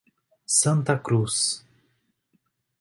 Santa Cruz